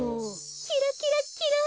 キラキラキラン！